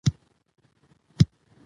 زه پوښتنه کول عیب نه ګڼم.